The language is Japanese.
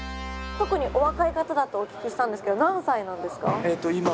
特にお若い方だとお聞きしたんですけど何歳なんですか？